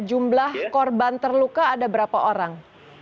jumlah korban terluka ada berapa orang